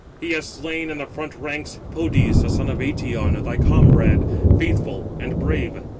He has slain, in the front ranks, Podes, the son of Eëtion, thy comrade, faithful and brave."